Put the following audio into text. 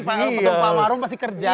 ketemu pak maruf pasti kerja